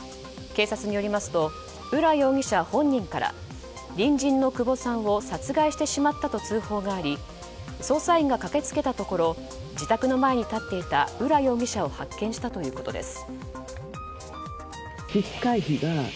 警察によりますと浦容疑者本人から隣人の久保さんを殺害してしまったと通報があり捜査員が駆け付けたところ自宅の前に立っていた浦容疑者を発見したということです。